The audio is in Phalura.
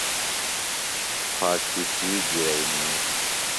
پھاگ پِشِیک گِرئنی۔